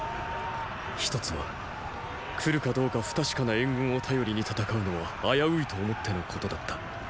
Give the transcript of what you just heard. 一つは来るかどうか不確かな援軍を頼りに戦うのは危ういと思ってのことだった。